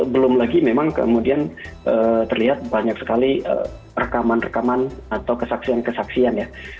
belum lagi memang kemudian terlihat banyak sekali rekaman rekaman atau kesaksian kesaksian ya